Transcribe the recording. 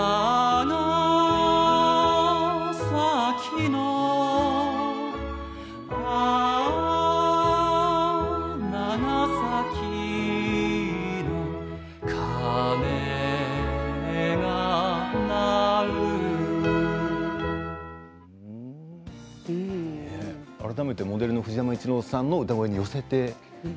「ああ長崎の鐘が鳴る」改めてモデルの藤山一郎さんの歌声に寄せて？